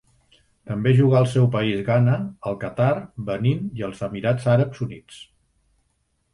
També jugà al seu país Ghana, al Qatar, Benín i als Emirats Àrabs Units.